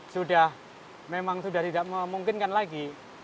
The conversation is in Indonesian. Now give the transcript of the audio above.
sudah memang sudah tidak memungkinkan lagi